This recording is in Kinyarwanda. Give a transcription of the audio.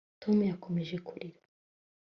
tom yakomeje kurira